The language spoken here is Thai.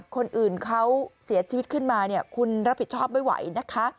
คนอื่นเขาเสียชีวิตขึ้นมาคุณรับผิดชอบไม่ไหวนะคะ